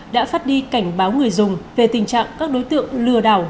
đã phát đi cảnh báo người dùng về tình trạng các đối tượng lừa đảo